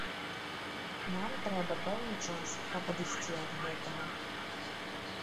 Нам трэба пэўны час, каб адысці ад гэтага.